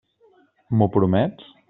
M'ho promets?